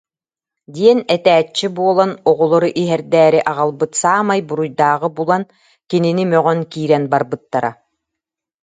диэн этээччи буолан, оҕолору иһэрдээри аҕалбыт саамай буруйдааҕы булан, кинини мөҕөн киирэн барбыттара